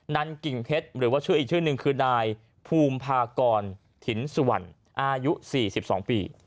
ันกิ่งเพชรหรือว่าชื่ออีกชื่อหนึ่งคือนายภูมิภากรถิ่นสุวรรณอายุ๔๒ปี